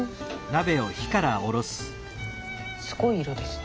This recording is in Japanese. すごい色ですね。